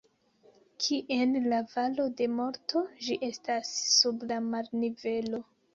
Kiel la Valo de Morto, ĝi estas sub la marnivelo.